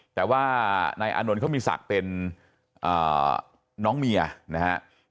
แต่ว่านายอานนท์เขามีศักดิ์เป็นน้องเมียนะครับ